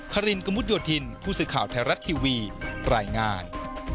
ครินกระมุดโยธินผู้สื่อข่าวไทยรัฐทีวีรายงาน